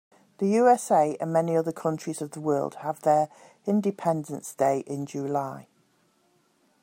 The USA and many other countries of the world have their independence day in July.